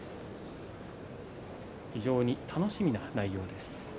非常に楽しみな内容です。